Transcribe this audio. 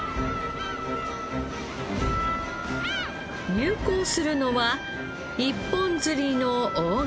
入港するのは一本釣りの大型船。